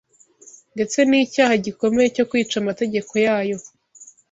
ndetse n’icyaha gikomeye cyo kwica amategeko yayo.